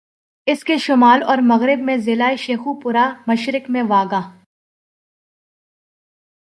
اسکے شمال اور مغرب میں ضلع شیخوپورہ، مشرق میں واہگہ